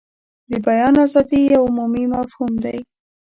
د بیان ازادي یو عمومي مفهوم دی.